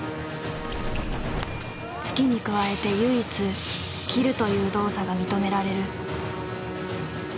突きに加えて唯一「斬る」という動作が認められる。